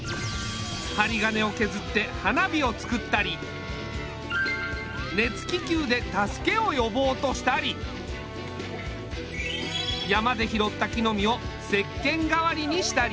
はりがねをけずって花火を作ったり熱気球で助けをよぼうとしたり山で拾った木の実をせっけんがわりにしたり。